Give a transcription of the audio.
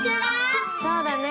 そうだね。